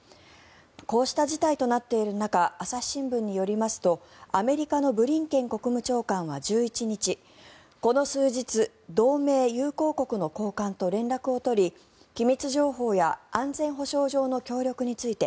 こうした事態となっている中朝日新聞によりますとアメリカのブリンケン国務長官は１１日この数日、同盟・友好国の高官と連絡を取り機密情報や安全保障上の協力について